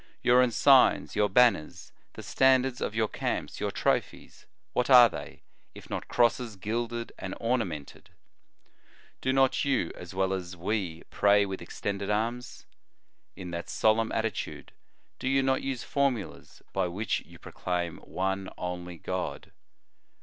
"Your emigns, your banners, the standards of your camps, your trophies what are they, if not crosses gilded and orna mented ? Do not you, as well as we, pray with extended arms ? In that solemn attitude do you not use formulas by which you pro claim one only God?